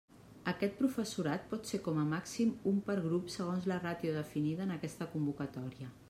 Aquest professorat pot ser com a màxim, un per grup segons la ràtio definida en aquesta convocatòria.